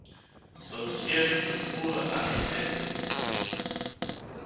Son siège se trouve à Essen.